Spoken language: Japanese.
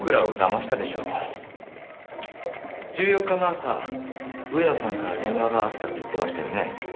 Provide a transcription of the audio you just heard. １４日の朝上野さんから電話があったって言ってましたよね？